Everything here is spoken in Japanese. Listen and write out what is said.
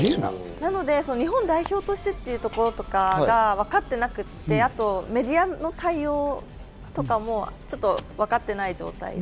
日本代表としてというところとかわかっていなくて、メディアの対応とかもわかっていない状態。